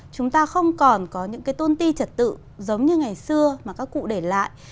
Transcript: chúng ta không còn có những cái tôn ti trật tự giống như ngày xưa mà các cụ để lại